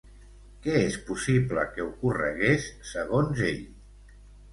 Què és possible que ocorregués, segons ell?